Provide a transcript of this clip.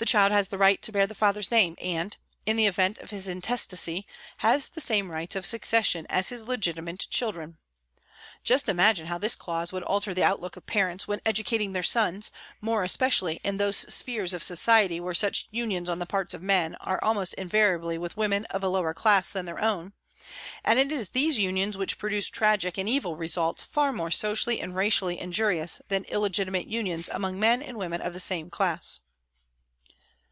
The child has the right to bear the father's name and, in the event of his intestacy, has the same rights of succession as his legitimate children. Just imagine how this clause would alter the outlook of parents when educating their sons, more especially in those spheres of society where such unions on the part of men are almost invariably with women of a lower class than their own, and it is these unions which produce tragic and evil results far more socially and racially injurious than illegiti SOME TYPES OF PRISONERS 129 mate unions among men and women of the same class.